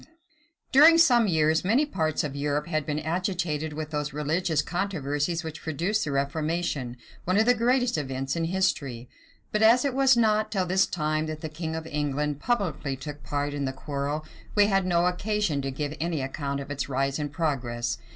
} During some years, many parts of Europe had been agitated with those religious controversies which produced the reformation, one of the greatest events in history: but as it was not till this time that the king of England publicly took part in the quarrel, we had no occasion to give any account of its rise and progress.